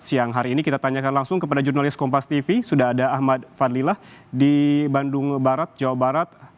siang hari ini kita tanyakan langsung kepada jurnalis kompas tv sudah ada ahmad fadlilah di bandung barat jawa barat